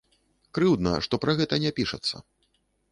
Крыўдна, што пра гэта не пішацца.